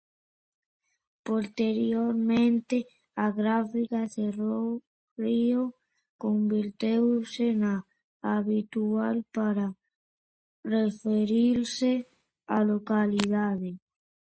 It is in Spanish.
Posteriormente la grafía "Cerio" se convirtió en la habitual para referirse a la localidad.